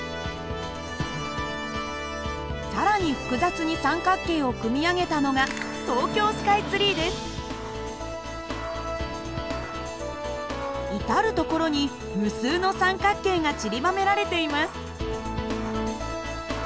更に複雑に三角形を組み上げたのが至る所に無数の三角形がちりばめられています。